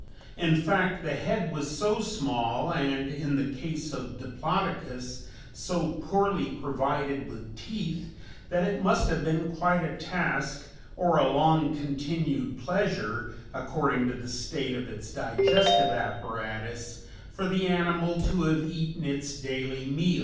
In fact, the head was so small and, in the case of Diplodocus, so poorly provided with teeth that it must have been quite a task, or a long continued pleasure, according to the state of its digestive apparatus, for the animal to have eaten its daily meal.